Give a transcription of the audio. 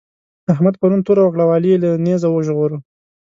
احمد پرون توره وکړه او علي يې له نېزه وژغوره.